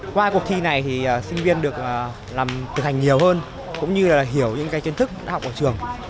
qua cuộc thi này thì sinh viên được làm thực hành nhiều hơn cũng như là hiểu những cái kiến thức đã học ở trường